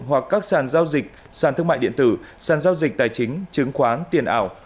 hoặc các sàn giao dịch sàn thương mại điện tử sàn giao dịch tài chính chứng khoán tiền ảo